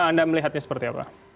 anda melihatnya seperti apa